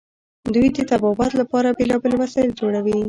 دوی د طبابت لپاره بیلابیل وسایل جوړوي.